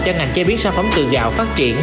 cho ngành chế biến sản phẩm từ gạo phát triển